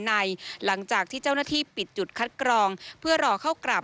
หลังจากที่เจ้าหน้าที่ปิดจุดคัดกรองเพื่อรอเข้ากราบ